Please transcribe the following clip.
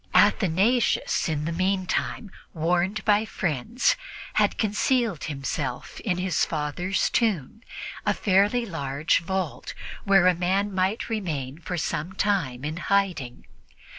Athanasius, in the meantime, warned by friends, had concealed himself in his father's tomb, a fairly large vault, where a man might remain for some time in hiding.